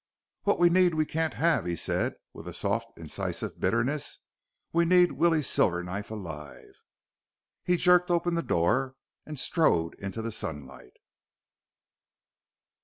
"What we need, we can't have," he said with soft and incisive bitterness. "We need Willie Silverknife alive." He jerked open the door and strode into the sunlight.